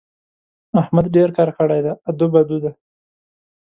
احمد ډېر کار کړی دی؛ ادو بدو دی.